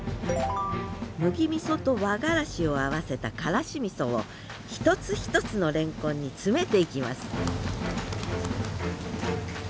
麦みそと和がらしを合わせたからしみそを一つ一つのレンコンに詰めていきます